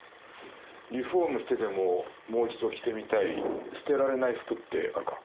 リフォームしてでももう一度着てみたい捨てられない服ってあるか？